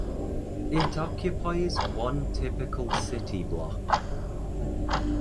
It occupies one typical city block.